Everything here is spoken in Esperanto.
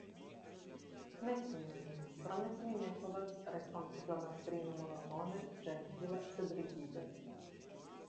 Ne, sinjorino, promesi mi ne povas, respondis la mastrino monotone, ĝentile, sed rigide.